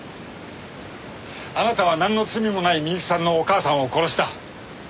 あなたはなんの罪もない美雪さんのお母さんを殺した。